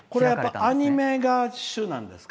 これはアニメが主なんですか？